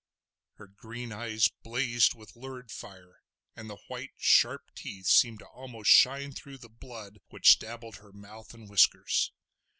Her green eyes blazed with lurid fire, and the white, sharp teeth seemed to almost shine through the blood which dabbled her mouth and whiskers.